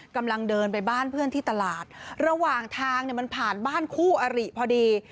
กำลังเดินไปบ้านเพื่อนที่ตลาดระหว่างทางเนี่ยมันผ่านบ้านคู่อริพอดี